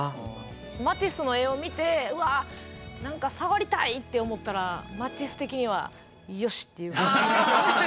マティスの絵を見てうわなんか触りたいって思ったらマティス的には「よし！」という感じですね。